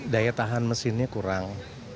daya tahan mesinnya kurang